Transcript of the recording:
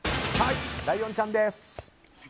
ライオンちゃんです！